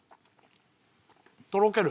とろける。